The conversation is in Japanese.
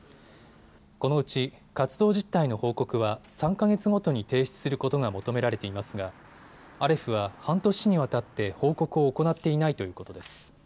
このうち活動実態の報告は３か月ごとに提出することが求められていますがアレフは半年にわたって報告を行っていないということです。